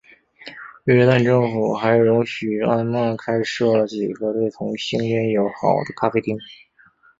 约旦政府还容许安曼开设了几个对同性恋友好的咖啡厅。